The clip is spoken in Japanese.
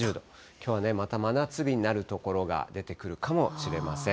きょうはね、また真夏日になる所が出てくるかもしれません。